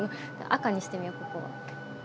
赤にしてみよう、ここは。